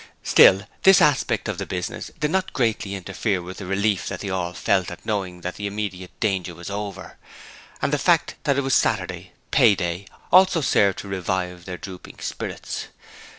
Still, this aspect of the business did not greatly interfere with the relief that they all felt at knowing that the immediate danger was over; and the fact that it was Saturday pay day also served to revive their drooping spirits.